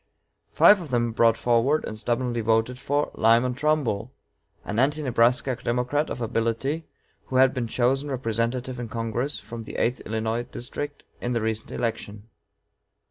Five of them brought forward, and stubbornly voted for, Lyman Trumbull, an Anti Nebraska Democrat of ability, who had been chosen representative in Congress from the eighth Illinois District in the recent election.